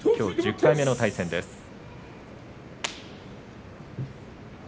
きょう１０回目の対戦です。